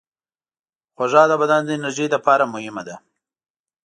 خوږه د بدن د انرژۍ لپاره مهمه ده.